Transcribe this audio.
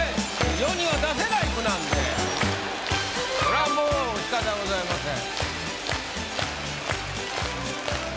世には出せない句なんでそらもうしかたございません。